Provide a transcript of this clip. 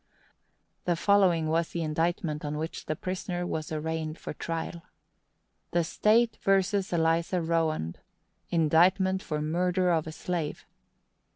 The following is the indictment on which the prisoner was arraigned for trial: The State v. Eliza Rowand—Indictment for murder of a slave.